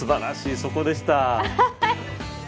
そこでした。